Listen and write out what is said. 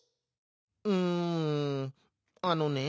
「うんあのね